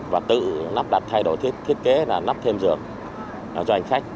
và tự nắp đặt thay đổi thiết kế là nắp thêm giường cho hành khách